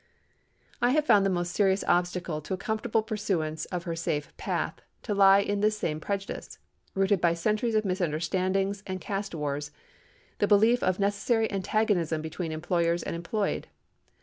I have found the most serious obstacle to a comfortable pursuance of her safe path, to lie in this same prejudice—rooted by centuries of misunderstandings and caste wars—the belief of necessary antagonism between employers and employed.